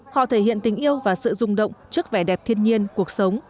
họ thể hiện tình yêu và sự rung động trước vẻ đẹp thiên nhiên cuộc sống